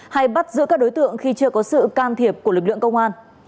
hay bắt giữ các đối tượng khi chưa có sự can thiệp của lực lượng công an